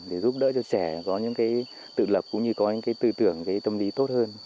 để giúp đỡ cho trẻ có những cái tự lập cũng như có những cái tư tưởng cái tâm lý tốt hơn